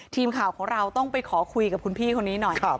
ทีมข่าวของเราต้องไปขอคุยกับคุณพี่คนนี้หน่อย